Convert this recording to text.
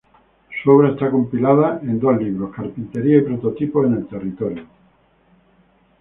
Su obra está compilada en dos libros: Carpinterías y Prototipos en el Territorio.